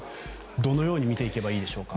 どのように見ていけばいいでしょうか。